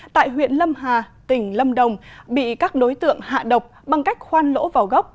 tại huyện lâm hà tỉnh lâm đồng bị các đối tượng hạ độc bằng cách khoan lỗ vào góc